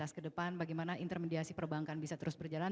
ke depan bagaimana intermediasi perbankan bisa terus berjalan